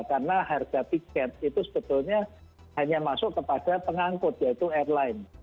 karena harga tiket itu sebetulnya hanya masuk kepada pengangkut yaitu airline